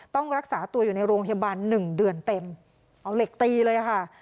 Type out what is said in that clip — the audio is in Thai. ต้องรักษาตัวอยู่ในโรงพยาบาลหนึ่งเดือนเต็มเอาเหล็กตีเลยค่ะ